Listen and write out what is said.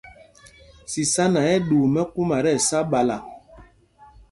Sisana ɛ́ ɛ́ ɗuu mɛkúma tí ɛsá ɓala.